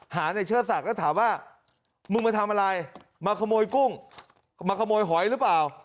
หาในเชิดศักดิ์แล้วถามว่ามึงมาทำอะไรมาขโมยกุ้งมาขโมยหอยหรือเปล่า